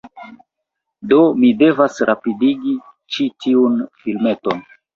Do mi devas rapidigi ĉi tiun filmeton.